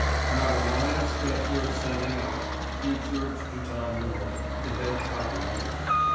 "Not a line of stuff worth sending up," he observed to Tom North, the head copy reader.